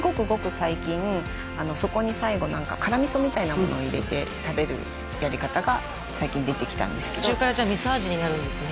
最近あのそこに最後なんか辛味噌みたいなものを入れて食べるやり方が最近出てきたんですけど途中からじゃあ味噌味になるんですね